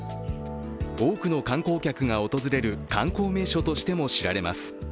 多くの観光客が訪れる観光名所としても知られます。